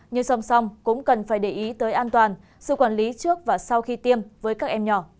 nhưng song song cũng cần phải để ý tới an toàn sự quản lý trước và sau khi tiêm với các em nhỏ